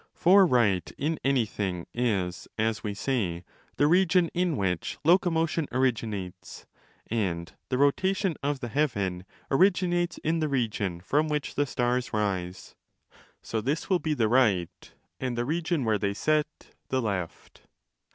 For right in anything is, as we say, the region in which locomotion originates, and the rotation of the heaven originates in the region from which the stars rise. So this will be the right, and the region where they set the left.